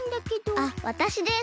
あっわたしです。